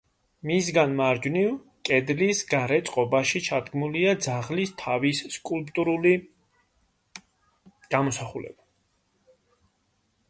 მისგან მარჯვნივ, კედლის გარე წყობაში ჩადგმულია ძაღლის თავის სკულპტურული გამოსახულება.